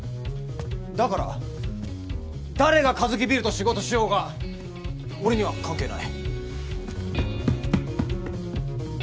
だから誰がカヅキビールと仕事しようが俺には関係ない。